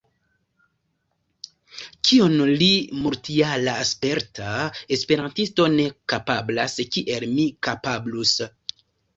Kion li, multjara sperta esperantisto, ne kapablas, kiel mi kapablus?